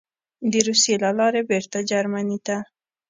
د روسیې له لارې بېرته جرمني ته: